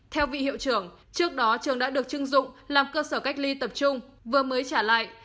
theo vị hiệu trưởng trước đó trường đã được chưng dụng làm cơ sở cách ly tập trung vừa mới trả lại